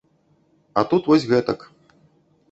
А тут вось гэтак.